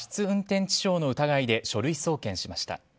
運転致傷の疑いで書類送検しました。